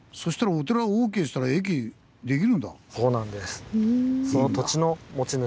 そうなんです。